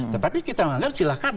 tetapi kita mengangkat silahkan